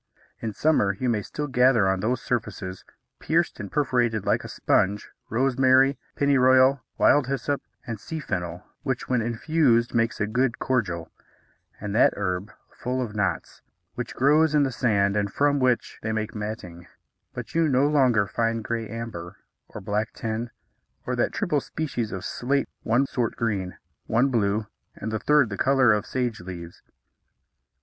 In summer you may still gather on those surfaces, pierced and perforated like a sponge, rosemary, pennyroyal, wild hyssop, and sea fennel which when infused makes a good cordial, and that herb full of knots, which grows in the sand and from which they make matting; but you no longer find gray amber, or black tin, or that triple species of slate one sort green, one blue, and the third the colour of sage leaves.